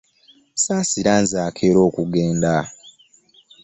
Saasira nze akeera okugenda!